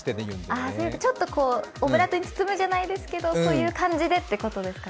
ああ、ちょっとオブラートに包むじゃないですけどそういう感じってことですか。